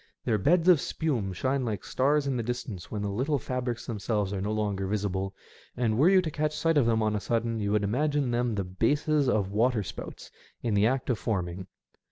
Their beds of spume shine like stars in the distance when the little fabrics themselves are no longer visible, and were you to catch sight of them on a sudden you would imagine them the bases of water spouts in the act of forming.